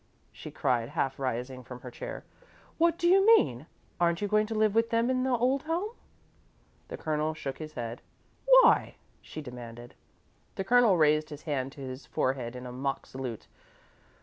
she cried, half rising from her chair; "what do you mean? Aren't you going to live with them in the old home?" The Colonel shook his head. "Why?" she demanded. The Colonel raised his hand to his forehead in a mock salute.